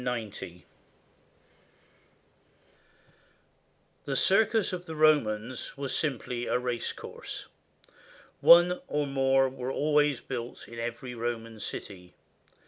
FORTI The circus of the Romans was simply a race course. One or more were always built in every Roman city.